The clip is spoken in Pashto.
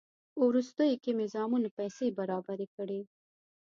په وروستیو کې مې زامنو پیسې برابرې کړې.